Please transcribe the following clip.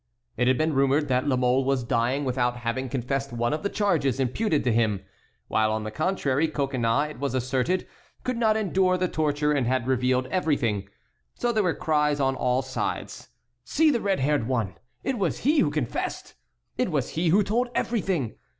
It had been rumored that La Mole was dying without having confessed one of the charges imputed to him; while, on the contrary, Coconnas, it was asserted, could not endure the torture, and had revealed everything. So there were cries on all sides: "See the red haired one! It was he who confessed! It was he who told everything!